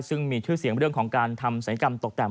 ซึ่งมีชื่อเสียงเรื่องของการทำศัยกรรมตกแต่ง